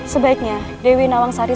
sebaiknya dewi nawasari